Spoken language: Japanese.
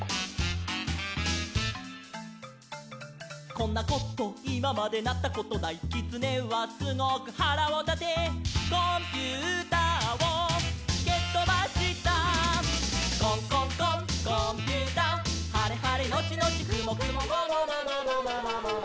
「こんなこといままでなったことない」「きつねはすごくはらをたて」「コンピューターをけとばした」「コンコンコンコンピューター」「はれはれのちのちくもくもももももももももも」